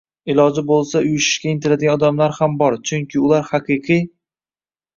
iloji bo‘lsa uyushishga intiladigan odamlar ham bor, chunki ular “haqiqiy